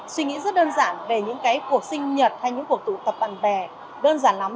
suy nghĩ rất đơn giản về những cuộc sinh nhật hay những cuộc tụ tập bạn bè đơn giản lắm